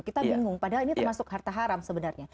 kita bingung padahal ini termasuk harta haram sebenarnya